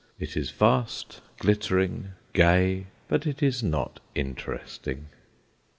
It is vast, glittering, gay; but it is not interesting.